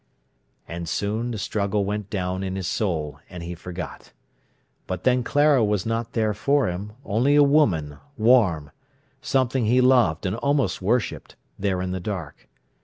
And soon the struggle went down in his soul, and he forgot. But then Clara was not there for him, only a woman, warm, something he loved and almost worshipped, there in the dark.